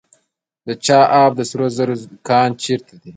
د چاه اب د سرو زرو کان چیرته دی؟